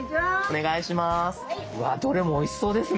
お願いします。